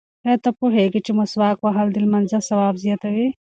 ایا ته پوهېږې چې مسواک وهل د لمانځه ثواب زیاتوي؟